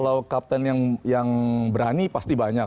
kalau kapten yang berani pasti banyak